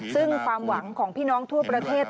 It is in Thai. ซึ่งความหวังของพี่น้องทั่วประเทศ